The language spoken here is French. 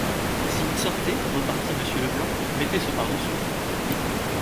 Si vous sortez, repartit Monsieur Leblanc, mettez ce pardessus.